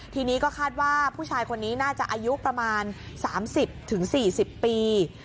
ทีนี้ก็คาดว่าผู้ชายคนนี้น่าจะอายุประมาณ๓๐๔๐ปี